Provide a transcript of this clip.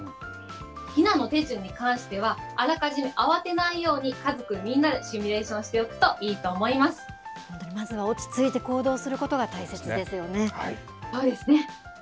避難の手順に関しては、あらかじめ慌てないように、家族みんなでシミュレーションしておくといい本当に、まずは落ち着いて行そうですね。